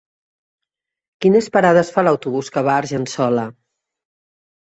Quines parades fa l'autobús que va a Argençola?